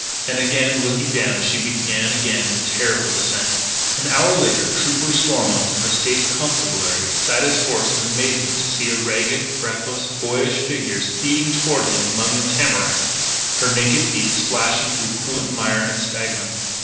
And, again looking down, she began again the terrible descent. An hour later, Trooper Stormont of the State Constabulary, sat his horse in amazement to see a ragged, breathless, boyish figure speeding toward him among the tamaracks, her naked feet splashing through pool and mire and sphagnum.